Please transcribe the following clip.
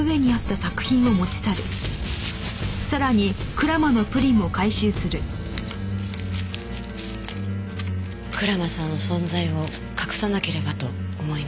蔵間さんの存在を隠さなければと思いました。